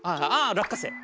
落花生。